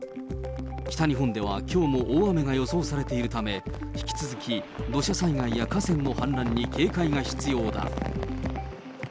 北日本ではきょうも大雨が予想されているため、引き続き土砂災害や河川の氾濫に警戒が必要だ。